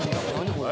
これ。